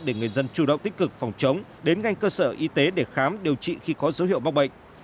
để người dân chủ động tích cực phòng chống đến ngay cơ sở y tế để khám điều trị khi có dấu hiệu bóc bệnh